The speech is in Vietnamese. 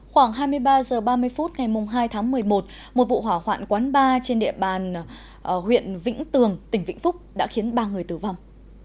khoảng hai mươi ba h ba mươi phút ngày hai tháng một mươi một một vụ hỏa hoạn quán ba trên địa bàn huyện vĩnh tường tỉnh vĩnh phúc đã khiến ba người tử vong